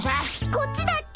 こっちだっけ？